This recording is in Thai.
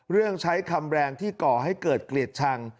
ใช้คำแรงที่ก่อให้เกิดเกลียดชัง